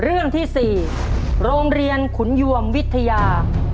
เรื่องที่๔โรงเรียนขุนยวมวิทยา